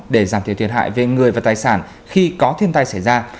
để giảm thiểu thiệt hại về người và tài sản khi có thiên tai xảy ra